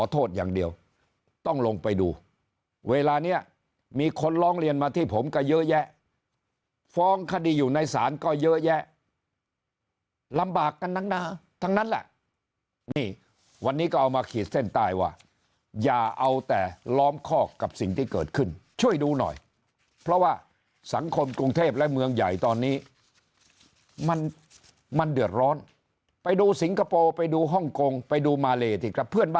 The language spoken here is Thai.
อย่างเดียวต้องลงไปดูเวลานี้มีคนร้องเรียนมาที่ผมก็เยอะแยะฟ้องคดีอยู่ในศาลก็เยอะแยะลำบากกันทั้งหน้าทั้งนั้นแหละนี่วันนี้ก็เอามาขีดเส้นใต้ว่าอย่าเอาแต่ล้อมคอกกับสิ่งที่เกิดขึ้นช่วยดูหน่อยเพราะว่าสังคมกรุงเทพและเมืองใหญ่ตอนนี้มันมันเดือดร้อนไปดูสิงคโปร์ไปดูฮ่องกงไปดูมาเลสิครับเพื่อนบ